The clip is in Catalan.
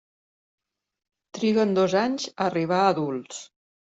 Triguen dos anys a arribar a adults.